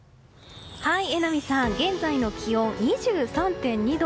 榎並さん、現在の気温２３．２度。